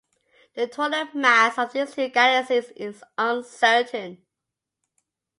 The total mass of these two galaxies is uncertain.